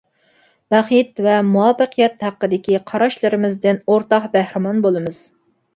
بەخت ۋە مۇۋەپپەقىيەت ھەققىدىكى قاراشلىرىمىزدىن ئورتاق بەھرىمەن بولىمىز.